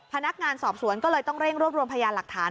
พนักงานสอบสวนก็เลยต้องเร่งรวบรวมพยานหลักฐาน